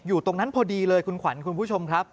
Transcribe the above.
อยู่ตรงนั้นพอดีเลยคุณขวัญคุณผู้ชมครับ